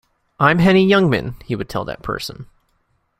"I'm Henny Youngman," he would tell that person.